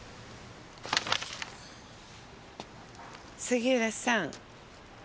杉浦さん。